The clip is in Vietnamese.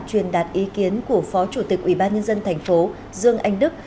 truyền đạt ý kiến của phó chủ tịch ủy ban nhân dân tp hcm dương anh đức